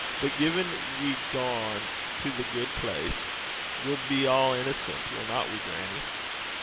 'But gin we gang to the gude place, we'll be a' innocent, willna we, grannie?'